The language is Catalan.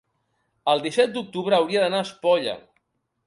el disset d'octubre hauria d'anar a Espolla.